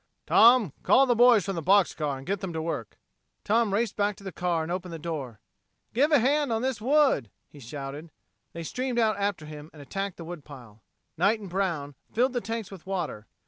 "Tom, call the boys from the box car and get them to work." Tom raced back to the car and opened the door. "Give a hand on this wood," he shouted. They streamed out after him, and attacked the wood pile. Knight and Brown filled the tanks with water.